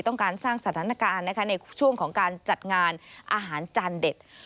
ต้องการสร้างสถานการณ์นะคะในช่วงของการจัดงานอาหารจานเด็ด